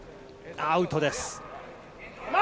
アウトです。